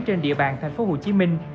trên địa bàn thành phố hồ chí minh